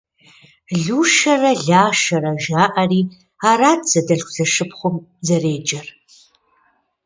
Лушэрэ Лашэрэ жаӏэри арат зэдэлъху-зэшыпхъум зэреджэр.